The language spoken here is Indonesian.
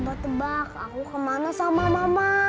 iya coba tebak aku kemana sama mama